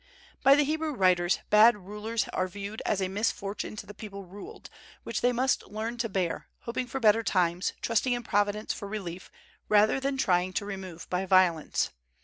By the Hebrew writers, bad rulers are viewed as a misfortune to the people ruled, which they must learn to bear, hoping for better times, trusting in Providence for relief, rather than trying to remove by violence.